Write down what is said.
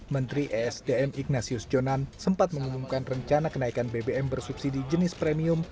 menteri esdm ignatius jonan sempat mengumumkan rencana kenaikan bbm bersubsidi jenis premium